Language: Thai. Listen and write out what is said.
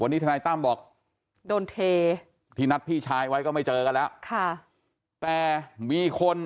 วันนี้ทนายตั้มบอกโดนเทที่นัดพี่ชายไว้ก็ไม่เจอกันแล้วค่ะแต่มีคน